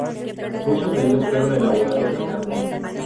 Muchos de ellos fueron elaborados al carbón.